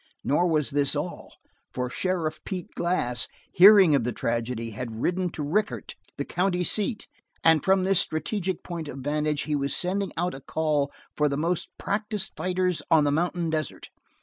Nor was this all, for Sheriff Pete Glass, hearing of the tragedy, had ridden to Rickett, the county seat, and from this strategic point of vantage he was sending out a call for the most practised fighters on the mountain desert.